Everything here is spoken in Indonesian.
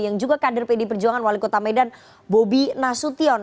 yang juga kader pdi perjuangan wali kota medan bobi nasution